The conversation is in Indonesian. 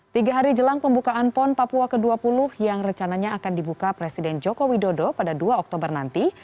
tiga hari jelang pembukaan pon papua ke dua puluh yang rencananya akan dibuka presiden joko widodo pada dua oktober nanti